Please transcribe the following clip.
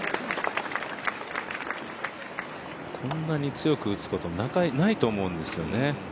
こんなに強く打つことないと思うんですよね。